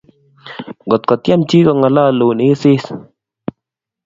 Ngot ko tyem chii kkong'allaalun isis.